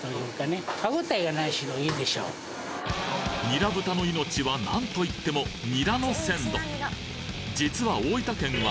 にら豚の命はなんと言ってもニラの鮮度！